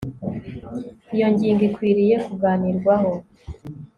iyo ngingo ikwiriye kuganirwaho